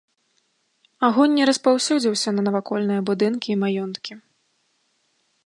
Агонь не распаўсюдзіўся на навакольныя будынкі і маёнткі.